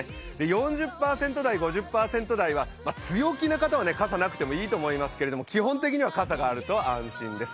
４０％台、５０％台は強気な方は傘なくてもいいと思いますけど、基本的には傘があると安心です。